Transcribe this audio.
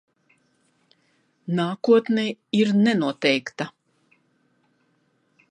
Nākotne ir nenoteikta.